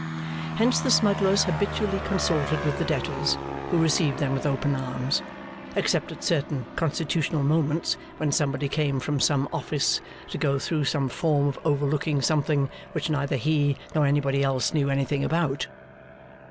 Hence the smugglers habitually consorted with the debtors (who received them with open arms), except at certain constitutional moments when somebody came from some Office, to go through some form of overlooking something which neither he nor anybody else knew anything about.